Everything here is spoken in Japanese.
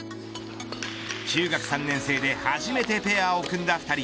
中学３年生で初めてペアを組んだ２人。